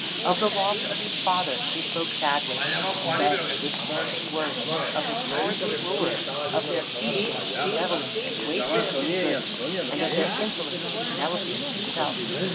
Of the loss of his father he spoke sadly, and then, with burning words, of the cowardly wooers, of their feastings and revelings and wasting of his goods, and of their insolence to Penelope and himself.